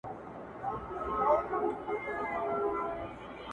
چې اتبار په مینه نه کوي لایقه